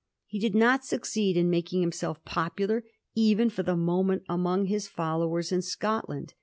He did not succeed in making himself popular, even for the moment, among his followers in Scotland.